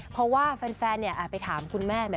เพราะว่าแฟนไปถามคุณแม่